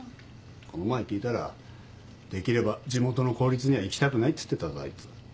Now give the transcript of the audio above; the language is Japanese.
この前聞いたらできれば地元の公立には行きたくないっつってたぞあいつ。